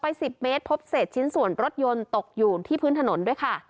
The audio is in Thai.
สิบเมตรพบเศษชิ้นส่วนรถยนต์ตกอยู่ที่พื้นถนนด้วยค่ะ